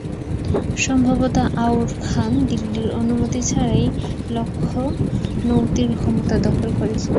সম্ভবত আউর খান দিল্লীর অনুমতি ছাড়াই লখনৌতির ক্ষমতা দখল করেছিলেন।